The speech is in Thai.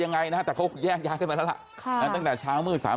ยังไงนะฮะแต่เขาแยกย้ายกันไปแล้วล่ะตั้งแต่เช้ามืดสาม